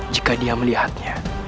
jika dia melihatnya